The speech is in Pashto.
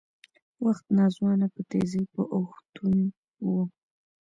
وخت ناځوانه په تېزۍ په اوښتون و